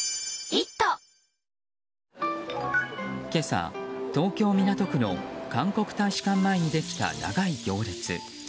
今朝、東京・港区の韓国大使館前にできた長い行列。